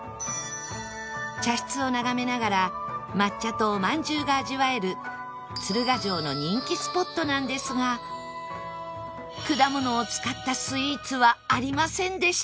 茶室を眺めながら抹茶とお饅頭が味わえる鶴ヶ城の人気スポットなんですが果物を使ったスイーツはありませんでした